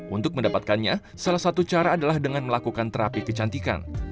untuk mendapatkannya salah satu cara adalah dengan melakukan terapi kecantikan